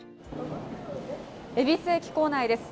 恵比寿駅構内です。